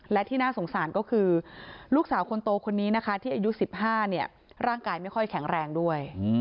และที่น่าสงสารก็คือลูกสาวคนโตคนนี้นะคะที่อายุ๑๕ร่างกายไม่ค่อยแข็งแรงด้วย